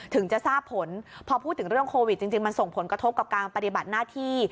ถึงจะทราบผลพอพูดถึงเรื่องโควิดจริงมันส่งผลกระทบกับการปฏิบัติหน้าที่